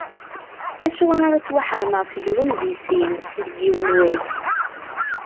Acuɣer ara ttwaḥeṛmeɣ seg-wen di sin, deg yiwen n wass?